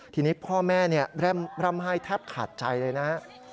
ทีนี้พ่อแม่ร่ำไห้แทบขาดใจเลยนะ